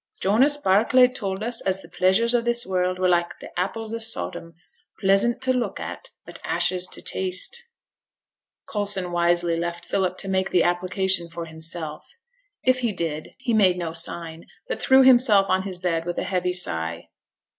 'Jonas Barclay told us as the pleasures o' this world were like apples o' Sodom, pleasant to look at, but ashes to taste.' Coulson wisely left Philip to make the application for himself. If he did he made no sign, but threw himself on his bed with a heavy sigh.